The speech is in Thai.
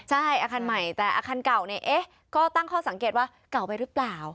ใช่อาคารใหม่แต่อาคารเก่าเนี่ยเอ๊ะก็ตั้งข้อสังเกตว่าเก่าไปหรือเปล่า